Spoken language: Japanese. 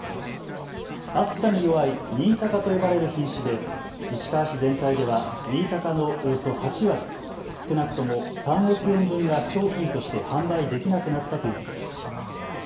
暑さに弱い新高と呼ばれる品種で市川市全体では新高のおよそ８割、少なくとも３億円分が商品として販売できなくなったということです。